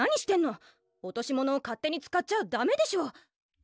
落とし物を勝手に使っちゃダメでしょ！